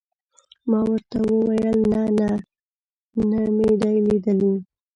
ما ورته وویل: نه، نه مې دي لیدلي.